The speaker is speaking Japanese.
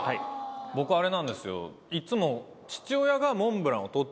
僕あれなんですよいつも。